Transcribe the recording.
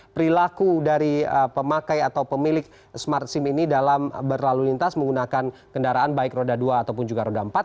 perilaku dari pemakai atau pemilik smart sim ini dalam berlalu lintas menggunakan kendaraan baik roda dua ataupun juga roda empat